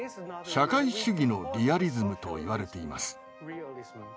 社会主義のリアリズムと言われています。